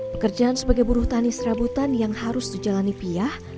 pekerjaan sebagai buruh tani serabutan yang harus dijalani piah